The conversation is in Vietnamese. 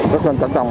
rất là tận tòng